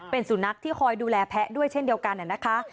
เป็นสุนัขที่คอยดูแลแพ้ด้วยเช่นเดียวกันนะคะ